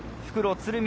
鶴見